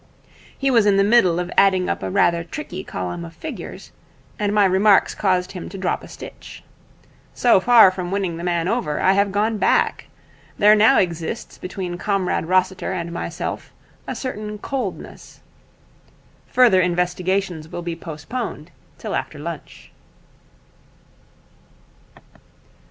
He was in the middle of adding up a rather tricky column of figures, and my remarks caused him to drop a stitch. So far from winning the man over, I have gone back. There now exists between Comrade Rossiter and myself a certain coldness. Further investigations will be postponed till after lunch.'